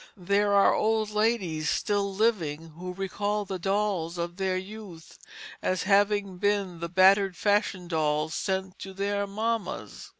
There are old ladies still living who recall the dolls of their youth as having been the battered fashion dolls sent to their mammas.